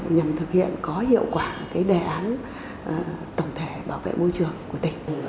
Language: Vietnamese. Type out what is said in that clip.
nhằm thực hiện có hiệu quả đề án tổng thể bảo vệ môi trường của tỉnh